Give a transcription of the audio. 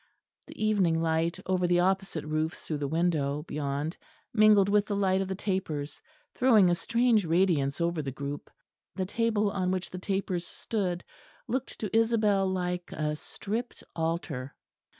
The evening light over the opposite roofs through the window beyond mingled with the light of the tapers, throwing a strange radiance over the group. The table on which the tapers stood looked to Isabel like a stripped altar.